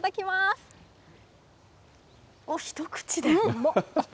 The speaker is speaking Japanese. おっ、一口で。